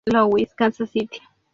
Louis, Kansas City